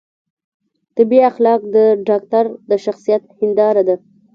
طبي اخلاق د ډاکتر د شخصیت هنداره ده.